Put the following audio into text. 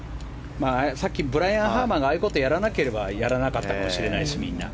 さっき、ブライアン・ハーマンがああいうことをやらなければやらなかったかもしれないしみんな。